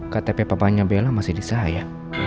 ktp papanya bella masih di saya